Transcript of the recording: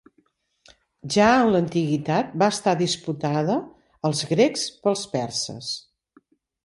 Ja en l'antiguitat va estar disputada als grecs pels perses.